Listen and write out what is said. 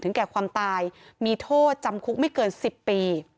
คุณเชี่ยวหลอกเนอร